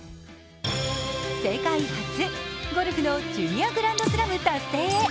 世界初、ゴルフのジュニアグランドスラム達成へ。